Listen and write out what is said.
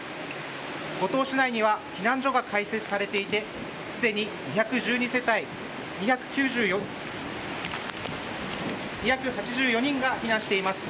五島市内には避難所が開設されていてすでに２１２世帯２８４人が避難しています。